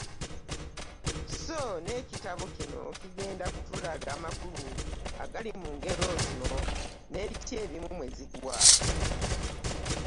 So n’ekitabo kino kigenda kutulaga makulu agali mu ngero zino n’ebiti ebimu mwe zigwa.